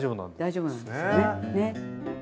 大丈夫なんですよね。